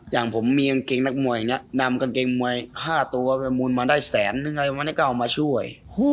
อย่างผมมีกางเกงนักมวยเนี่ยนำกางเกงมวย๕ตัวประมูลมาได้แสนนึงอะไรประมาณนี้ก็เอามาช่วย